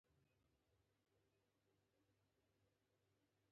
یوازې د ځان غم ورسره نه وي.